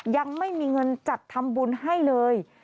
ยังไม่มีเงินจัดทำบุญให้เลย